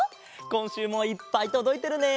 こんしゅうもいっぱいとどいてるね！